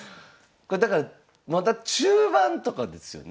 だからまだ中盤とかですよね？